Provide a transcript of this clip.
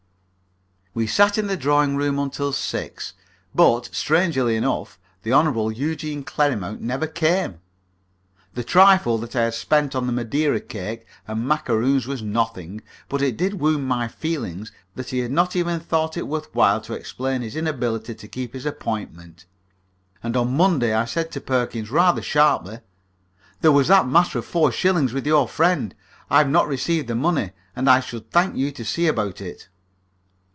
We sat in the drawing room until six, but, strangely enough, the Hon. Eugene Clerrimount never came. The trifle that I had spent on the Madeira cake and macaroons was nothing, but it did wound my feelings that he had not even thought it worth while to explain his inability to keep his appointment. And on the Monday I said to Perkins, rather sharply: "There was that matter of four shillings with your friend. I've not received the money, and I should thank you to see about it."